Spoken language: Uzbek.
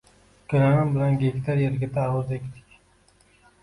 Ukalarim bilan gektar yerga tarvuz ekdik.